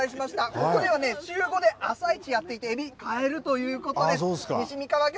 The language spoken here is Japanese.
ここではね、週５で朝市やっていて、エビ、買えるということです。